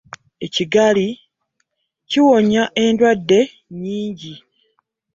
Ekigali kiwonya endwadde nnyingi.